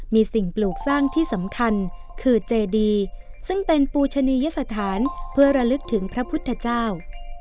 มีสิ่งปลูกสร้างที่สำคัญคือเจดีซึ่งเป็นปูชนียสถานเพื่อระลึกถึงพระพุทธเจ้า